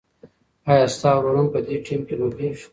ایا ستا ورور هم په دې ټیم کې لوبېږي؟